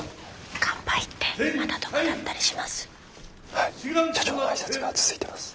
はい社長の挨拶が続いています。